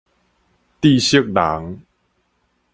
智識人